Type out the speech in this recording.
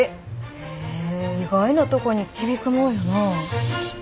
へえ意外なとこに響くもんやな。